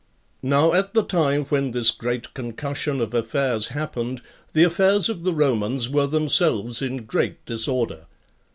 2. Now at the time when this great concussion of affairs happened, the affairs of the Romans were themselves in great disorder.